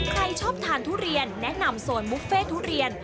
ใครชอบทานทุเรียนแนะนำโซนบุฟเฟ่ทุเรียน